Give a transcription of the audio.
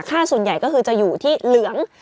ค่าส่วนใหญ่ก็คือจะอยู่ที่เหลือง